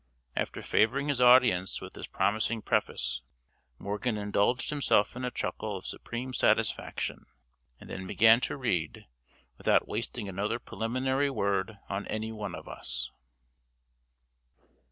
After favoring his audience with this promising preface, Morgan indulged himself in a chuckle of supreme satisfaction, and then began to read, without wasting another preliminary word on any one of us.